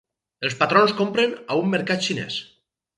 Els patrons compren a un mercat xinès.